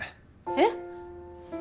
えっ？